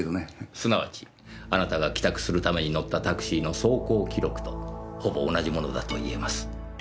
すなわちあなたが帰宅するために乗ったタクシーの走行記録とほぼ同じものだといえます。